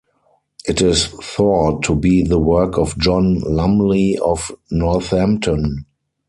It is thought to be the work of John Lumley of Northampton.